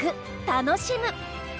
楽しむ！